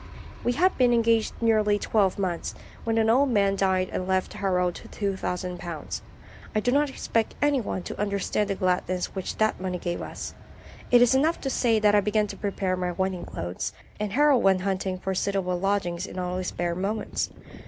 "We had been engaged nearly twelve months, when an old man died and left Harold £2000. I do not expect any one to understand the gladness which that money gave us. It is enough to say that I began to prepare my wedding clothes, and Harold went hunting for suitable lodgings in all his spare moments.